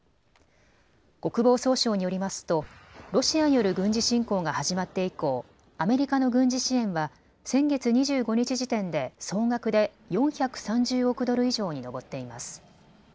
国防総省によりますとロシアによる軍事侵攻が始まって以降、アメリカの軍事支援は先月２５日時点で総額で４３０億ドル以上に上っています。